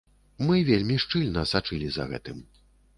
Мы вельмі шчыльна сачылі за гэтым.